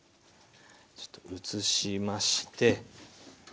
ちょっと移しまして。